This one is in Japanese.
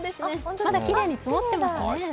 まだきれいに積もってますね。